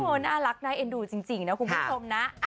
น่ารักน่าเอ็นดูจริงนะคุณผู้ชมนะ